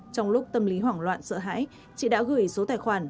trong lúc tâm lý hoảng loạn sợ hãi chị đã gửi số tài khoản